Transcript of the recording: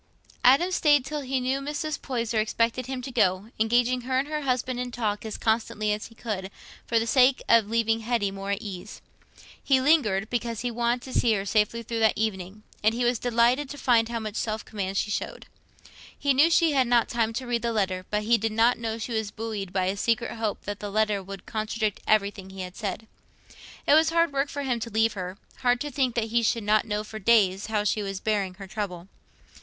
Adam stayed till he knew Mrs. Poyser expected him to go, engaging her and her husband in talk as constantly as he could, for the sake of leaving Hetty more at ease. He lingered, because he wanted to see her safely through that evening, and he was delighted to find how much self command she showed. He knew she had not had time to read the letter, but he did not know she was buoyed up by a secret hope that the letter would contradict everything he had said. It was hard work for him to leave her—hard to think that he should not know for days how she was bearing her trouble.